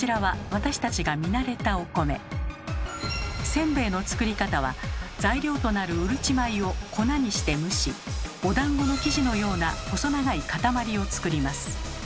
せんべいの作り方は材料となるうるち米を粉にして蒸しおだんごの生地のような細長い塊を作ります。